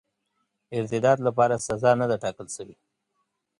ارتداد لپاره سزا نه ده ټاکله سوې.